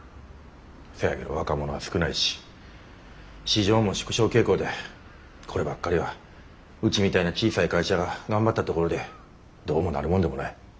せやけど若者は少ないし市場も縮小傾向でこればっかりはうちみたいな小さい会社が頑張ったところでどうもなるもんでもない。